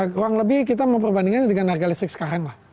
kurang lebih kita memperbandingkan dengan harga listrik sekarang lah